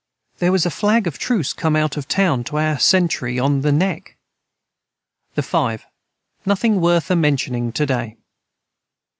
Their was a flag of truce come out of town to our centry on the neck. the 5. Nothing worth a mentioning to day.